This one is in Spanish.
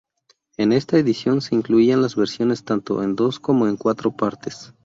En esta edición se incluían las versiones tanto en dos como en cuatro partes.